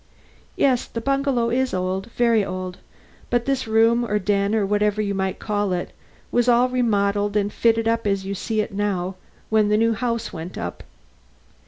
"Yes, the bungalow is old, very old; but this room, or den, or whatever you might call it, was all remodeled and fitted up as you see it now when the new house went up.